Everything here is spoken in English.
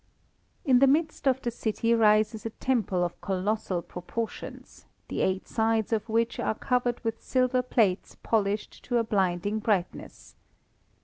In the midst of the city rises a temple of colossal proportions, the eight sides of which are covered with silver plates polished to a blinding brightness.